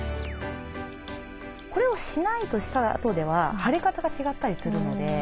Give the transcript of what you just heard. これをしないとしたあとでは腫れ方が違ったりするので。